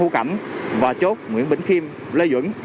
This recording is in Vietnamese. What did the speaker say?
hô cảnh và chốt nguyễn bình kim lê dũng